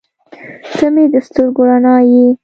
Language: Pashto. • ته مې د سترګو رڼا یې.